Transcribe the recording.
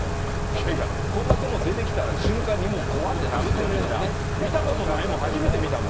いやいや、こんな雲出てきたら、瞬間にもう怖ってなると思うな、見たことないもん、初めて見たもん。